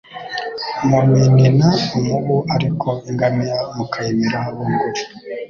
muminina umubu, ariko ingamiya mukayimira bunguri."